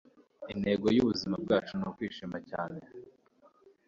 intego y'ubuzima bwacu ni ukwishima. - dalai lama